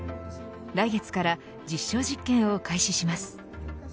来月から実証実験を開始します。